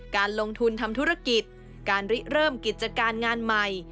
การลงทุนทำธุรกิจการริเริ่มกิจการงานใหม่